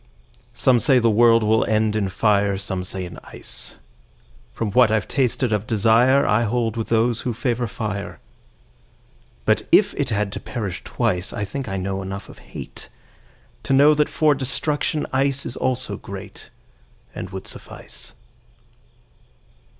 SOME say the world will end in fire, Some say in ice. From what I've tasted of desireI hold with those who favor fire. But if it had to perish twice,I think I know enough of hateTo know that for destruction iceIs also greatAnd would suffice.